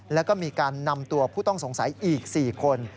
แล้วก็มีการนำตัวผู้ต้องสงสัยอีก๔คน